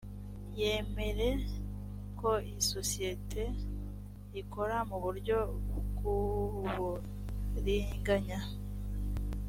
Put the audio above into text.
yemere ko isosiyete ikora mu buryo bw uburiganya